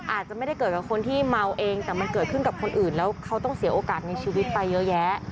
อาจจะไม่ได้เกิดกับคนที่เมาเองแต่มันเกิดขึ้นกับคนอื่นแล้วเขาต้องเสียโอกาสในชีวิตไปเยอะแยะ